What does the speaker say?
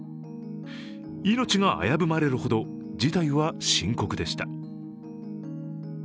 命が危ぶまれるほど事態は深刻でした。